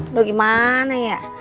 aduh aduh gimana ya